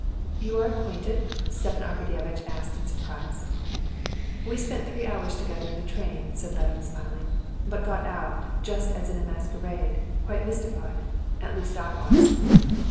"You are acquainted?" Stepan Arkadyevitch asked in surprise. "We spent three hours together in the train," said Levin smiling, "but got out, just as in a masquerade, quite mystified—at least I was."